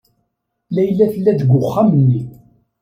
Layla tella deg uxxam-nni.